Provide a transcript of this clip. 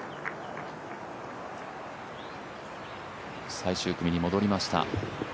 最終組に戻りました。